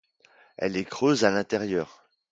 Elle est creuse à l'intérieur.